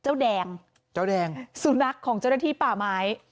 เจ้าแดงเจ้าแดงสุนัขของเจ้าหน้าที่ป่าไม้